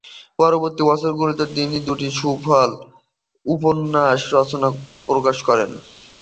পরবর্তী বছরগুলিতে তিনি দুটি সফল উপন্যাস রচনা ও প্রকাশ করেন।